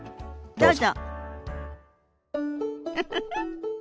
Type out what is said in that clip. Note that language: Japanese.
どうぞ。